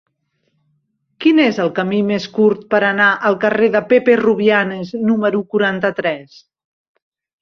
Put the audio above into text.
Quin és el camí més curt per anar al carrer de Pepe Rubianes número quaranta-tres?